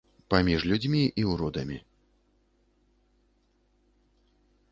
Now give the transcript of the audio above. Паміж людзьмі і ўродамі.